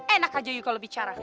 enak aja yuk kalau bicara